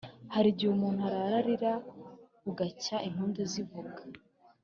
Harigiye umuntu arara arira bugacya impundu zivuga